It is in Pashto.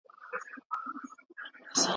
ایا د لمر ګل تېل د پخلي لپاره صحي دي؟